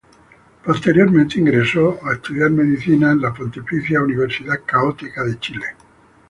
Posteriormente ingresó a estudiar Medicina en la Pontificia Universidad Católica de Chile.